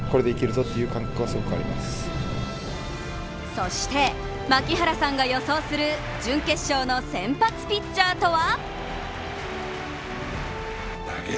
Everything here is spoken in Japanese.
そして、槙原さんが予想する準決勝の先発ピッチャーとは？